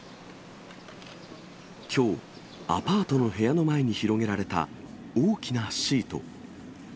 きょう、アパートの部屋の前に広げられた大きなシート。